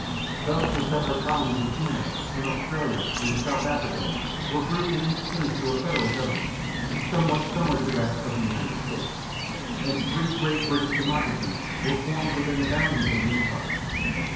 Thus the separate colonies in Canada, in Australia, and in South Africa were grouped in each case into a federal government, somewhat similar to that of the United States, and three great British democracies were formed within the boundaries of the empire.